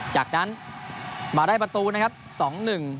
จากนั้นมาได้ประตูนะครับสองหนึ่ง